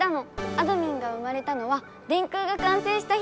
あどミンが生まれたのは電空がかんせいした日！